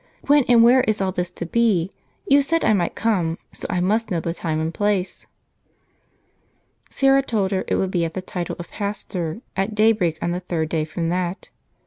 "When and where is all this to be? You said I might come, so I must know the time and place." Syra told her it would be at the title of Pastor, at day break, on the third day from that.